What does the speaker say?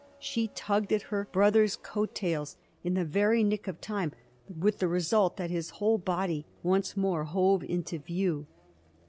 She tugged at her brother's coat tails in the very nick of time, with the result that his whole body once again hove into view.